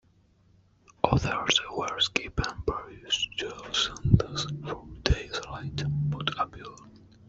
Others were given various jail sentences four days later but appealed.